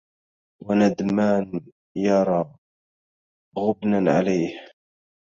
وندمان يرى غبنا عليه